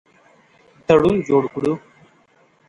تړون جوړ کړو.